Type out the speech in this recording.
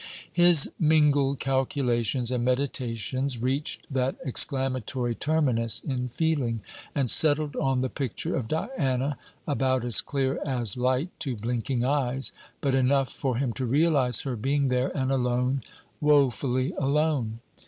His mingled calculations and meditations reached that exclamatory terminus in feeling, and settled on the picture of Diana, about as clear as light to blinking eyes, but enough for him to realize her being there and alone, woefully alone.